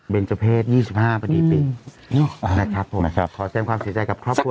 เบนเจอเพศ๒๕ปปินะครับผมขอเต้นความเสียใจกับครอบครัวนาน